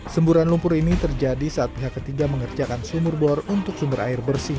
semburan lumpur ini terjadi saat pihak ketiga mengerjakan sumur bor untuk sumber air bersih